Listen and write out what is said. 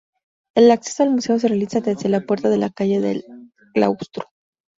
El acceso al Museo se realiza desde la puerta de la calle del claustro.